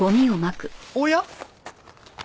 おや？